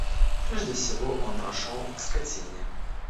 Прежде всего он прошел к скотине.